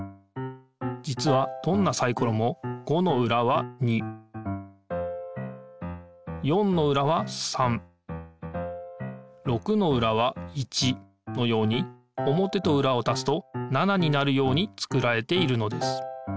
じつはどんなサイコロも５の裏は２４の裏は３６の裏は１のように表と裏をたすと７になるように作られているのです。